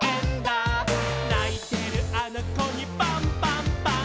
「ないてるあのこにパンパンパン！！」